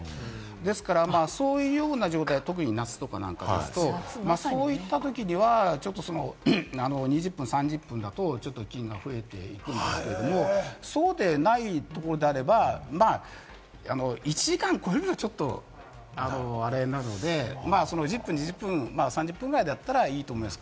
ですからそういうような状態、特に夏とかなんかですと、そういったときには２０３０分だと、ちょっと菌が増えていくんですけれども、そうでないところであれば、１時間超えるのはちょっとあれなので、１０分２０分、３０分ぐらいであればいいと思います。